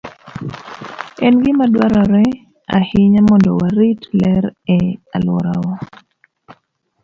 En gima dwarore ahinya mondo warit ler e alworawa.